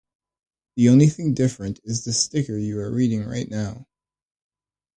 The only thing different is the sticker you are reading right now.